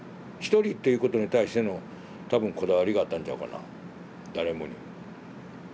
「一人」っていうことに対しての多分こだわりがあったんちゃうかな誰もに。